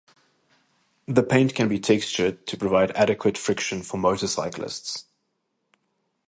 The paint can be textured to provide adequate friction for motorcyclists.